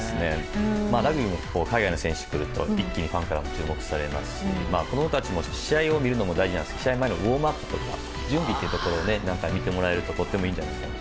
ラグビーも海外の選手が来ると一気にファンからも注目されますし子供たちには試合を見るのも大事なんですが試合前のウォームアップとか準備というところを見てもらえるといいんじゃないですか。